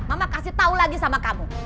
mama kasih tahu lagi sama kamu